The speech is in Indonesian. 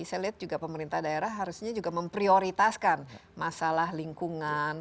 saya lihat juga pemerintah daerah harusnya juga memprioritaskan masalah lingkungan